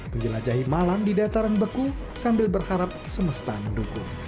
menjelajahi malam di dasaran beku sambil berharap semesta mendukung